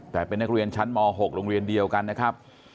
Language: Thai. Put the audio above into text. แต่เป็นนักเรียนชั้นม๖โรงเรียนเดียวกันนะครับ